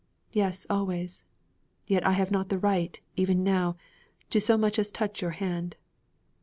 'Yes, always.' 'Yet I have not the right, even now, to so much as touch your hand.'